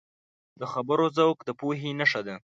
د خبرو ذوق د پوهې نښه ده